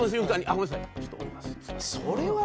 「ごめんなさいちょっと降ります」って言って。